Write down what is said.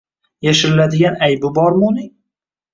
Yashiriladigan aybi bormi uning?